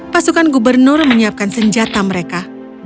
pasukan gubernur menyiapkan senjata mereka